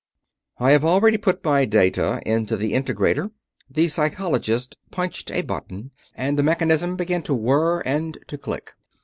"I have already put my data into the integrator." The Psychologist punched a button and the mechanism began to whir and to click.